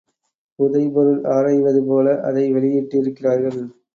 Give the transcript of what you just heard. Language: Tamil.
புதை பொருள் ஆராய்வது போல அதை வெளியிட்டிருக்கிறார்கள்.